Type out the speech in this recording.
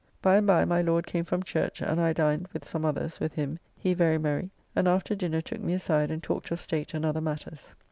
By and by my Lord came from church, and I dined, with some others, with him, he very merry, and after dinner took me aside and talked of state and other matters.